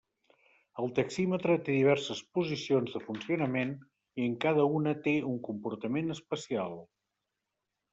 El taxímetre té diverses posicions de funcionament, i en cada una té un comportament especial.